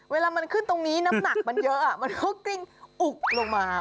เวลามันขึ้นตรงนี้น้ำหนักมันเยอะมันก็กริ้งอุกลงมา